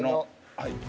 はい。